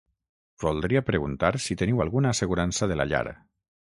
Voldria preguntar si teniu alguna assegurança de la llar.